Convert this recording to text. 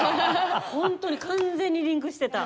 ホントに完全にリンクしてた。